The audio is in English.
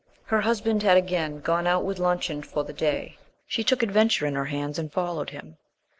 Her husband had again gone out with luncheon for the day. She took adventure in her hands and followed him.